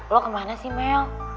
lo kemana sih mel